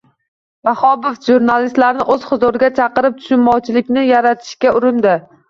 Vahobov jurnalistlarni o'z huzuriga chaqirib, tushunmovchiliklarni yarashtirishga urindi